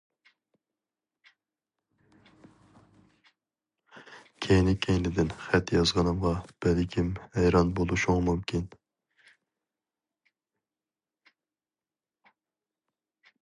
كەينى-كەينىدىن خەت يازغىنىمغا بەلكىم ھەيران بولۇشۇڭ مۇمكىن.